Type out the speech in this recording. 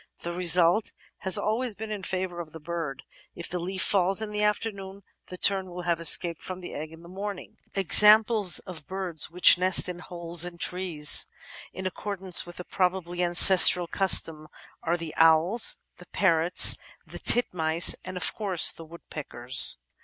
The result ... has always been in favour of the bird; if the leaf falls in the afternoon, the tern will have escaped from the egg in the morning I" Examples of birds which nest in holes in trees, in accordance with the probably ancestral custom, are the Owls, the Parrots, the Titmice, and of course the Woodpeckers.